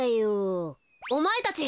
おまえたち。